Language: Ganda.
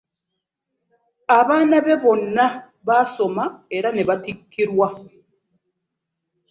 Abaana be bonna basoma era n'ebatikkirwa